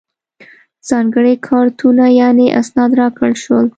ځانګړي کارتونه یعنې اسناد راکړل شول.